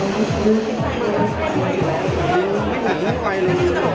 อัลวงตลอด